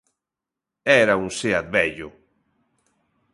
Era un Seat vello.